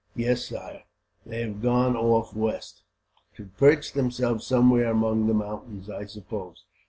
"Yes, sire, they have gone off west." "To perch themselves somewhere among the mountains, I suppose.